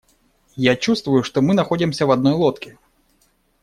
Я чувствую, что мы находимся в одной лодке.